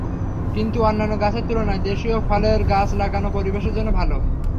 কিন্তু অন্যান্য গাছের তুলনায় দেশীয় ফলের গাছ আমাদের পরিবেশের জন্য ভালো।